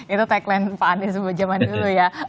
itu tagline pak anies buat zaman dulu ya